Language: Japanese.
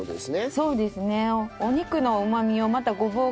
そうですね。